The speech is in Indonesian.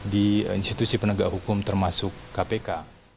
di institusi penegak hukum termasuk kpk